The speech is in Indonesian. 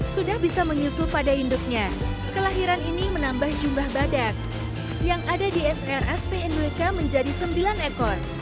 sudah bisa menyusul pada induknya kelahiran ini menambah jumlah badak yang ada di srspnwk menjadi sembilan ekor